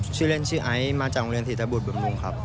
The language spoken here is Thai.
ชื่อเล่นชื่อไอซ์มาจากโรงเรียนธิตบุตรบำรุงครับ